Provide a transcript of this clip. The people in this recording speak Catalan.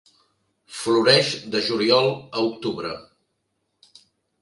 Floreix de juliol a octubre.